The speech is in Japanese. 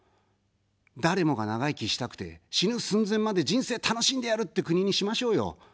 誰もが長生きしたくて、死ぬ寸前まで人生楽しんでやるって国にしましょうよ。